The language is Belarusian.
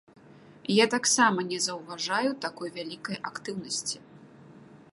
Я таксама не заўважаю такой вялікай актыўнасці.